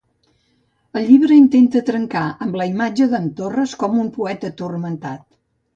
El llibre intenta trencar amb la imatge d'en Torres com a poeta "turmentat".